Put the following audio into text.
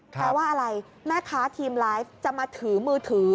แปลว่าอะไรแม่ค้าทีมไลฟ์จะมาถือมือถือ